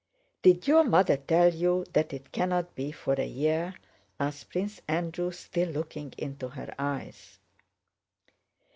"Did your mother tell you that it cannot be for a year?" asked Prince Andrew, still looking into her eyes.